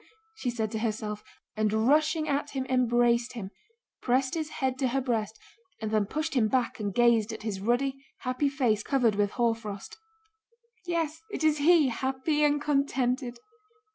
she said to herself, and rushing at him embraced him, pressed his head to her breast, and then pushed him back and gazed at his ruddy, happy face, covered with hoarfrost. "Yes, it is he, happy and contented...."